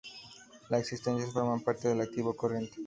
Las existencias forman parte del activo corriente.